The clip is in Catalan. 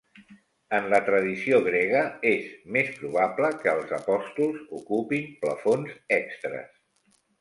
En la tradició grega és més probable que els Apòstols ocupin plafons extres.